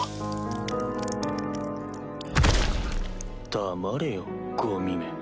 黙れよゴミめ。